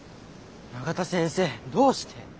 永田先生どうして？